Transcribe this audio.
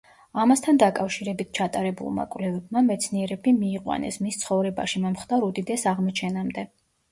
ამასთან დაკავშირებით ჩატარებულმა კვლევებმა, მეცნიერი მიიყვანეს მის ცხოვრებაში მომხდარ უდიდეს აღმოჩენამდე.